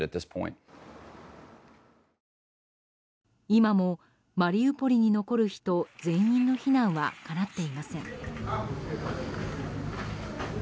今もマリウポリに残る人全員の避難はかなっていません。